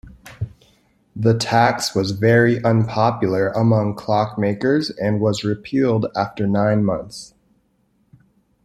The tax was very unpopular among clockmakers and was repealed after nine months.